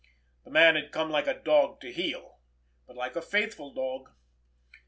The man had come like a dog to heel, but like a faithful dog.